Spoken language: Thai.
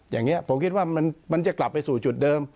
อย่างนี้ผมคิดว่ามันจะกลับไปสู่จุดเดิม